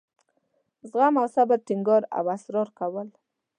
زغم او صبر ټینګار او اصرار کول.